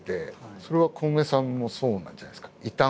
それはコウメさんもそうなんじゃないですか？